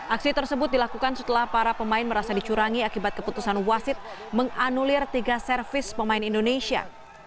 aksi tersebut dilakukan setelah para pemain merasa dicurangi akibat keputusan wasit menganulir tiga servis pemain indonesia